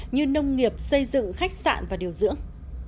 như nông nghiệp xây dựng khách sạn và điều dưỡng